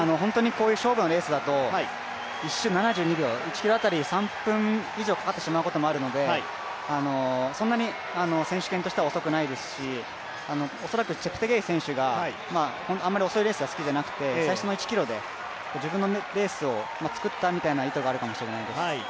こういう勝負のレースだと１周７２秒、１ｋｍ３分以上かかってしまうこともあるので、そんなに選手権としては遅くないですし恐らくチェプテゲイ選手があまり遅いレースが好きじゃなくて、最初の１ｋｍで自分のレースを作ったみたいな意図があるかもしれないです。